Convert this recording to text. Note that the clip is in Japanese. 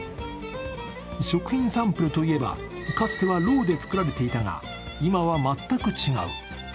食品サンプルといえばかつてはろうで作られていたが今は全く違う。